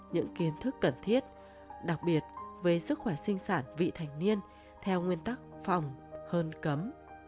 những kiến thức cần thiết đặc biệt về sức khỏe sinh sản vị thành niên theo nguyên tắc phòng hơn cấm